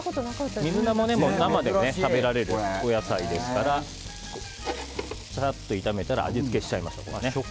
水菜も生で食べられるお野菜ですからササッと炒めたら味付けしちゃいます。